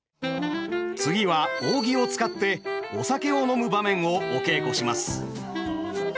次は扇を使ってお酒を飲む場面をお稽古します。